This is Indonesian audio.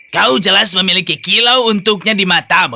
kau jelas memiliki kilau untuknya di matamu